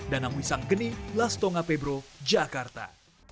danang wisang geni lastonga pebro jakarta